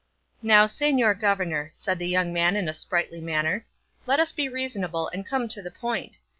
"Now, señor governor," said the young man in a sprightly manner, "let us be reasonable and come to the point.